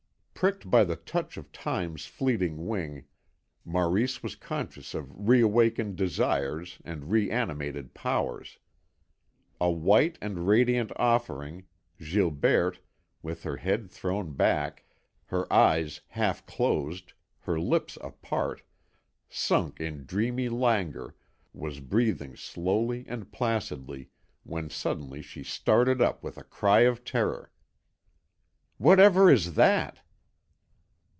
Pricked by the touch of Time's fleeting wing, Maurice was conscious of reawakened desires and reanimated powers. A white and radiant offering, Gilberte, with her head thrown back, her eyes half closed, her lips apart, sunk in dreamy languor, was breathing slowly and placidly, when suddenly she started up with a cry of terror. "Whatever is that?"